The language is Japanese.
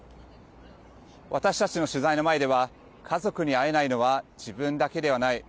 私たちの取材の前では家族に会えないのは自分だけではない。